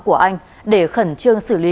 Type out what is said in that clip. của anh để khẩn trương xử lý